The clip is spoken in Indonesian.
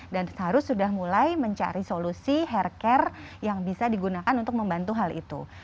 dan harus sudah mulai mencari solusi hair care yang bisa digunakan untuk membantu hal itu